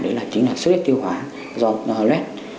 đó chính là sức ít tiêu hóa do ổ lết